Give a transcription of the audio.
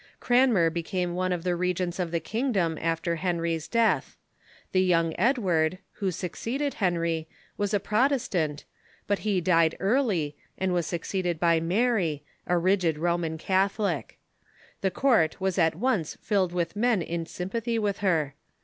Cranmer became one of the regents of the kingdom after Henry's death. The young Edward, who succeeded Henry, was a Protestant, but he died early, and was succeeded by Mary, a rigid Roman Catholic. The court was at once filled with men in sympathy with her.